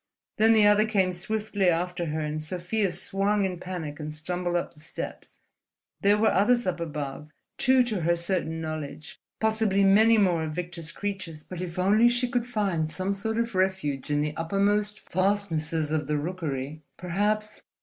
Then the other came swiftly after her, and Sofia swung in panic and stumbled up the steps. There were others up above, two to her certain knowledge, possibly many more of Victor's creatures; but if only she could find some sort of refuge in the uppermost fastnesses of the rookery, perhaps